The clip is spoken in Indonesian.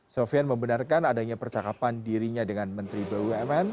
sofian membenarkan adanya percakapan dirinya dengan menteri bumn